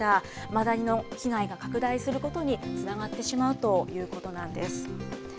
マダニの被害が拡大することにつながってしまうということなんです。